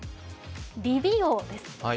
理美容です。